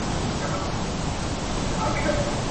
چي له وېري راوتای نه سي له کوره.